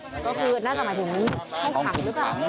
ก็คือน่าจะหมายถึงให้ขังหรือเปล่า